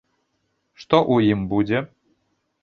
Што ў ім будзе?